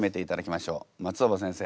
松尾葉先生